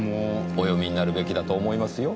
お読みになるべきだと思いますよ。